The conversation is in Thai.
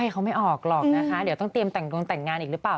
เขาไม่ออกหรอกนะคะเดี๋ยวต้องเตรียมแต่งดงแต่งงานอีกหรือเปล่า